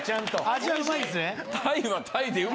味はうまいんすね？